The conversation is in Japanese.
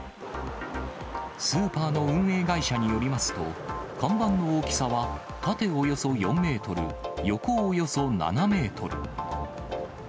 スーパーの運営会社によりますと、看板の大きさは縦およそ４メートル、横およそ７メートル。